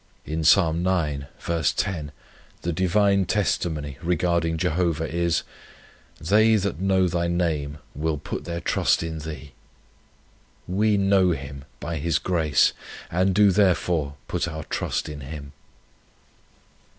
In Psalm ix. 10, the Divine testimony regarding Jehovah is, 'They that know thy name will put their trust in Thee.' We know Him, by His grace, and do therefore put our trust in Him.